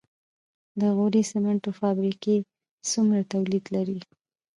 د غوري سمنټو فابریکه څومره تولید لري؟